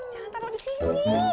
jangan taro disini